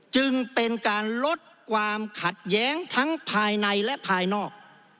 จึงเป็นการลดความขัดแย้งทั้งภายในและภายนอก